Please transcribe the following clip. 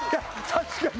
確かに。